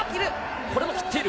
これも切っている。